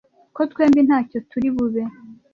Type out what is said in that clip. ko twembi ntacyo turi bube